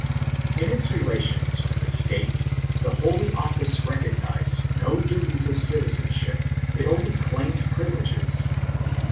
In its relations with the State the Holy Office recog nized no duties of citizenship; it only claimed privileges.